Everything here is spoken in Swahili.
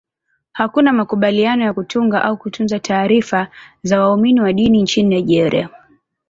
Hakuna makubaliano ya kutunga au kutunza taarifa za waumini wa dini nchini Nigeria.